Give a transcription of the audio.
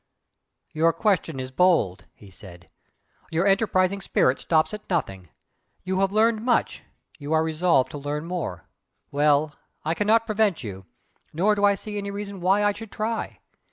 "Your question is bold!" he said "Your enterprising spirit stops at nothing! You have learned much you are resolved to learn more! Well, I cannot prevent you, nor do I see any reason why I should try!